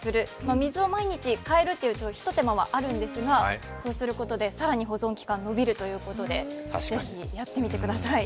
水を毎日変えるという、ひと手間はあるんですが、そうすることで更に保存期間が伸びるということでぜひやってみてください。